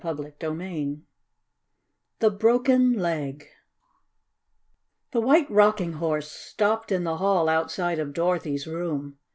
CHAPTER VI THE BROKEN LEG The White Rocking Horse stopped in the hall outside of Dorothy's room.